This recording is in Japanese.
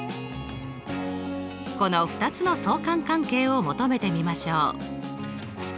この２つの相関関係を求めてみましょう。